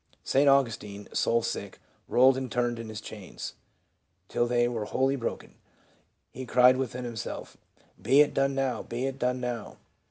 ..." St. Augustine, soul sick, rolled and turned in his chains " till, they were wholly broken;'' 1 he cried within himself, "Be it done now, be it done now."